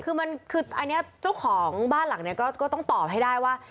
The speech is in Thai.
คืออันนี้เจ้าของบ้านหลังก็ต้องตอบให้ได้ว่า